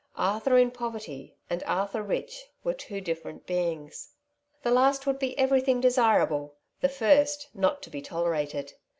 Arthur in poverty, and Arthur rich, were two different beings. The last would be everything desirable, the first not to be tolerated.